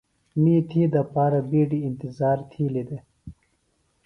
می تھی دپارہ بِیڈیۡ اِنتِظار تِھیلیۡ دےۡ۔